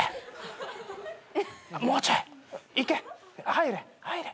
入れ入れ。